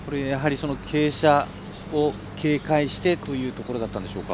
傾斜を警戒してというところだったんでしょうか。